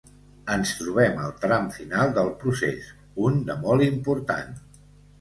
Ens trobem al tram final del procés, un de molt important.